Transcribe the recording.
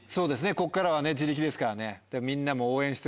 こっからは自力ですからね。